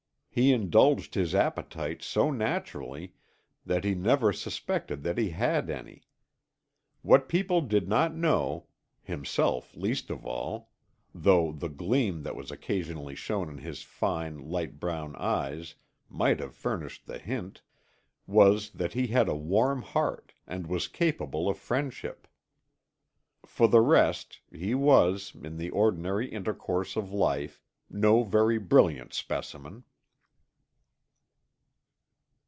He indulged his appetites so naturally that he never suspected that he had any. What people did not know, himself least of all, though the gleam that occasionally shone in his fine, light brown eyes might have furnished the hint was that he had a warm heart and was capable of friendship. For the rest, he was, in the ordinary intercourse of life, no very brilliant specimen.